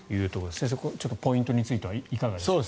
先生、ポイントについてはいかがですか。